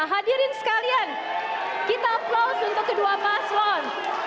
hadirin sekalian kita aplaus untuk kedua paslon